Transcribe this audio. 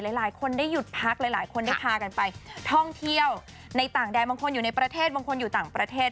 หลายคนได้หยุดพักหลายคนได้พากันไปท่องเที่ยวในต่างแดนบางคนอยู่ในประเทศบางคนอยู่ต่างประเทศ